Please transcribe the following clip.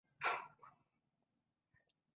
غرمه د کورنۍ د یووالي شیبه ده